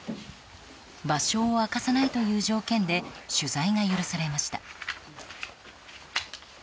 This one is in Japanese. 場所を明かさないという条件で取材が許されました。